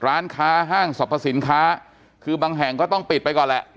ร้านค้าห้างสรรพสินค้าคือบางแห่งก็ต้องปิดไปก่อนแหละ